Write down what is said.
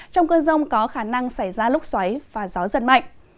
trong cơn rông có khả năng xảy ra lúc xoáy và gió giật mạnh